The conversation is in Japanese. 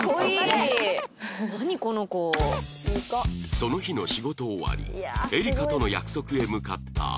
その日の仕事終わりエリカとの約束へ向かった葵